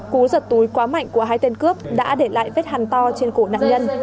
cú giật túi quá mạnh của hai tên cướp đã để lại vết hàn to trên cổ nạn nhân